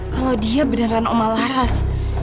kalau dia beneran oma laras